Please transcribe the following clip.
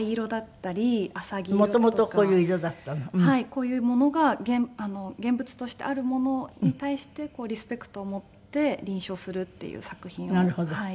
こういうものが現物としてあるのものに対してリスペクトを持って臨書するっていう作品をやりました。